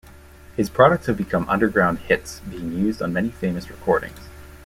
His products have become underground hits, being used on many famous recordings.